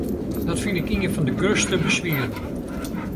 Dat fyn ik ien fan de grutste beswieren.